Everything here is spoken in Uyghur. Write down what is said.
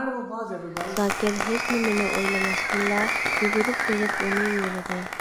زاكىر ھېچنېمىنى ئويلىماستىنلا، يۈگۈرۈپ بېرىپ ئۇنى يۆلىدى.